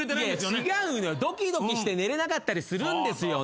違うのよドキドキして寝れなかったりするんですよね。